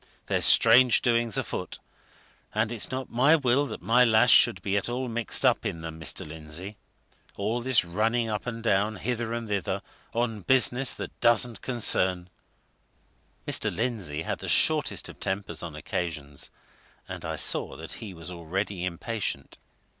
"There's strange doings afoot, and it's not my will that my lass should be at all mixed up in them, Mr. Lindsey! All this running up and down, hither and thither, on business that doesn't concern " Mr. Lindsey had the shortest of tempers on occasion, and I saw that he was already impatient.